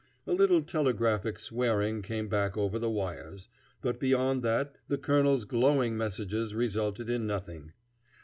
A little telegraphic swearing came back over the wires, but beyond that the colonel's glowing messages resulted in nothing.